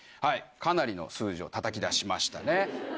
かなりの数字をたたき出しましたね。